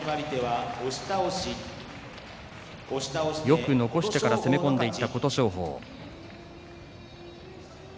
よく残してから攻め込んでいった琴勝峰。